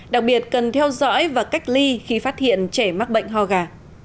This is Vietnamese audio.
đặc biệt cần theo dõi và cách ly khi phát hiện trẻ mắc bệnh ho gà